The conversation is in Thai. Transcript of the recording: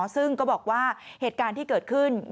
ซึ่งก็บอกว่าเหตุการณ์ที่เกิดขึ้น